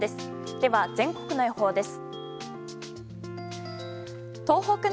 では、全国の予報です。